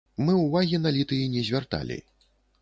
Мы ўвагі на літый не звярталі.